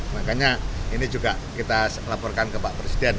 makanya ini juga kita laporkan ke pak presiden